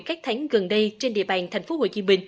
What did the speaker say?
các tháng gần đây trên địa bàn tp hcm